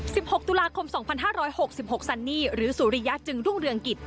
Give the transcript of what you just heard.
หกตุลาคมสองพันห้าร้อยหกสิบหกซันนี่หรือสุริยะจึงรุ่งเรืองกิจ